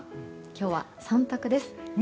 今日は３択です。